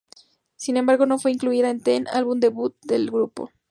Sin embargo, no fue incluida en "Ten", álbum debut del grupo.